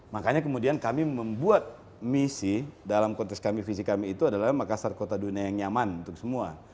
makanya kemudian kami membuat misi dalam konteks kami visi kami itu adalah makassar kota dunia yang nyaman untuk semua